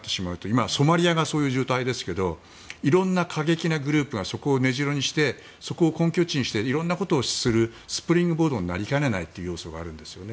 今、ソマリアがそんな状態ですけどいろんな過激なグループがそこを根城にしてそこを根拠地にしていろいろなことをするスプリングボードになりかねないところがあるんですね。